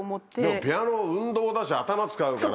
でもピアノ運動だし頭使うから。